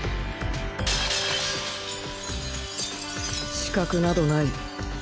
死角などない！